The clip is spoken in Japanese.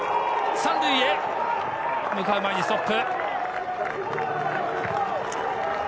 ３塁へ向かう前にストップ。